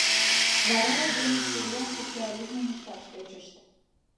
Вара айдеме чуриян социализмым ышташ тӧчышт.